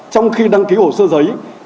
trong khi đăng ký hồ sơ giấy